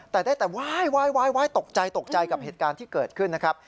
แต่ได้แต่ไหว้ตกใจตกใจกับเหตุการณ์ที่เกิดขึ้นนะครับ